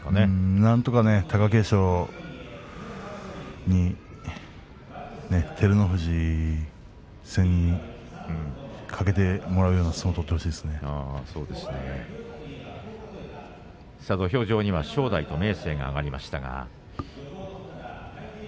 なんとか貴景勝に照ノ富士戦に懸けた相撲を土俵上には正代と明生が上がりました。